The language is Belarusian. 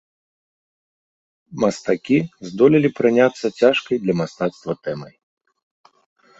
Мастакі здолелі праняцца цяжкай для мастацтва тэмай.